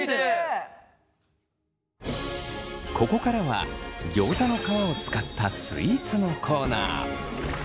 ここからはギョーザの皮を使ったスイーツのコーナー。